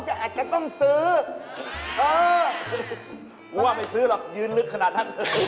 จับลงจะซื้อหรือเปล่า